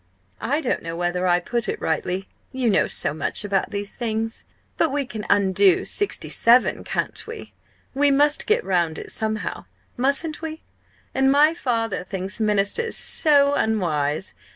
I don't know whether I put it rightly you know so much about these things! But we can't undo '67 can we? We must get round it somehow mustn't we? And my father thinks Ministers so unwise!